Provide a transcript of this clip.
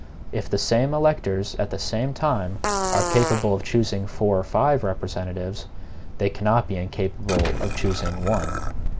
If the same electors at the same time are capable of choosing four or five representatives, they cannot be incapable of choosing one.